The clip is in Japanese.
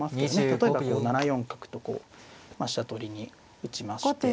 例えばこう７四角と飛車取りに打ちまして。